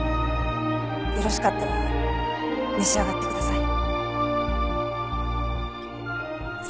よろしかったら召し上がってください。